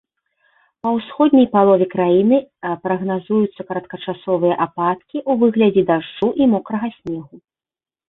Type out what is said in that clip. Па ўсходняй палове краіны прагназуюцца кароткачасовыя ападкі ў выглядзе дажджу і мокрага снегу.